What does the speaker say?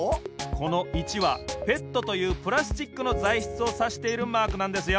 この「１」はＰＥＴというプラスチックのざいしつをさしているマークなんですよ。